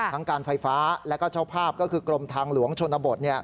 การไฟฟ้าและก็เจ้าภาพก็คือกรมทางหลวงชนบท